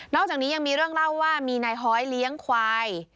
อกจากนี้ยังมีเรื่องเล่าว่ามีนายฮ้อยเลี้ยงควาย